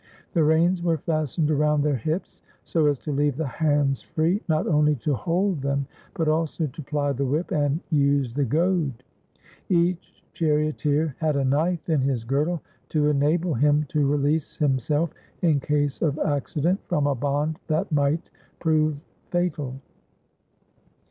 The reins were fastened around their hips so as to leave the hands free, not only to hold them, but also to ply the whip and use the goad. Each charioteer had a knife in his girdle, to enable him to release himself, in case of accident, from a bond that might prove fatal.